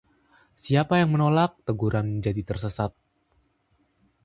siapa yang menolak teguran menjadi tersesat.